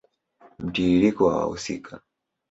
Mtiririko wa wahusika